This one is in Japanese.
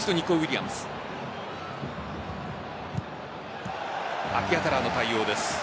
アティヤタラーの対応です。